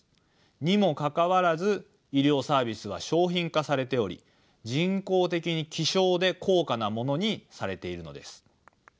にもかかわらず医療サービスは商品化されており人工的に希少で高価なものにされているのです。